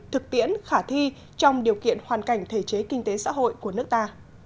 thực tiễn khả thi trong điều kiện hoàn cảnh thể chế kinh tế xã hội của nước ta